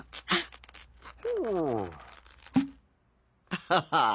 アハハ。